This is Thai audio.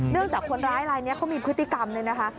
เนื่องจากคนร้ายอะไรเขามีพฤติกรรมเลยนะคะ